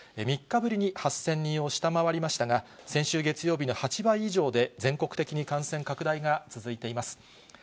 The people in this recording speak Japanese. ３日ぶりに８０００人を下回りましたが、先週月曜日の８倍以上で、全国的に感染拡大が続いています。